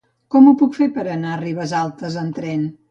Com ho puc fer per anar a Ribesalbes amb tren?